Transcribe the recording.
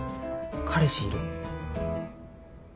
彼氏いる？